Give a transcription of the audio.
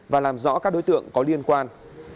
và làm rõ các đối tượng có liên quan